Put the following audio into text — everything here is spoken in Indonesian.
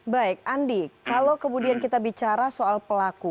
baik andi kalau kemudian kita bicara soal pelaku